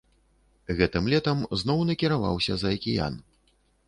Гэтым летам зноў накіраваўся за акіян.